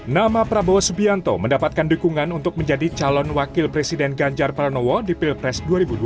nama prabowo subianto mendapatkan dukungan untuk menjadi calon wakil presiden ganjar pranowo di pilpres dua ribu dua puluh